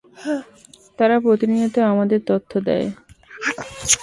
তারা প্রতিনিয়ত আমাদের তথ্য দেয়।